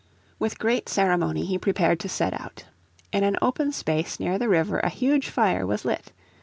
With great ceremony he prepared to set out. In an open space near the river a huge fire was lit.